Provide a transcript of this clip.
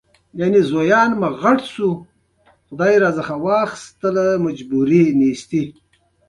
یوه یې د شمس النهار او بله د مصطفاوي په نامه یادېده.